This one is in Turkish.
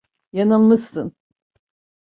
Yanılmışsın.